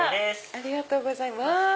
ありがとうございます。